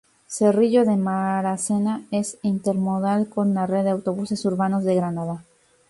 Cerrillo de Maracena es intermodal con la red de autobuses urbanos de Granada.